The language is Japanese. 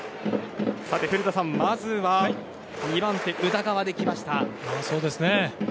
古田さん、まずは２番手、宇田川できました。